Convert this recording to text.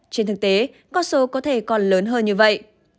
trên thực tế con số có thể còn lớn hơn như vậy